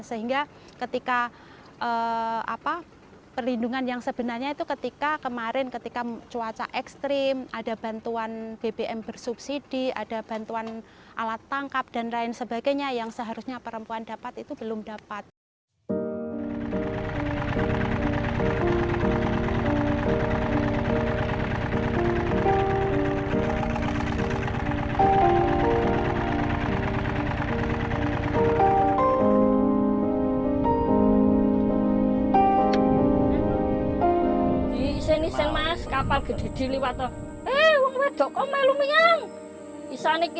sehingga ketika perlindungan yang sebenarnya itu ketika kemarin ketika cuaca ekstrim ada bantuan bbm bersubsidi ada bantuan alat tangkap dan lain sebagainya yang seharusnya perempuan dapat itu belum dapat